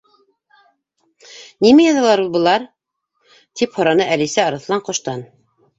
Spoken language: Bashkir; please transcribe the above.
—Нимә яҙалар ул былар? —тип һораны Әлисә Арыҫлан- ҡоштан.